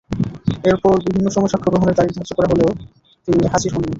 এরপর বিভিন্ন সময়ে সাক্ষ্য গ্রহণের তারিখধার্য করা হলেও িতনি হাজির হননি।